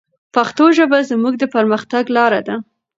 پښتو ژبه زموږ د پرمختګ لاره ده.